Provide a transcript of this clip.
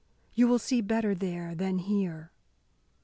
You will see better there than here."